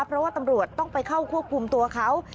เพราะว่าตำรวจต้องไปเข้าควบคุมตัวเขา